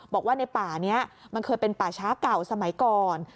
บอกว่าในป่านี้มันเคยเป็นป่าช้าเก่าสมัยก่อน